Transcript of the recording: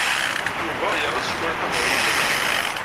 Yuba yerra sskeṛ i lqahwa-ines.